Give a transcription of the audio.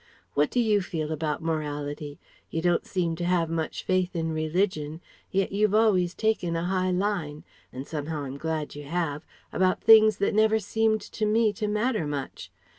"What do you feel about morality? You don't seem to have much faith in religion, yet you've always taken a high line and somehow I'm glad you have about things that never seemed to me to matter much.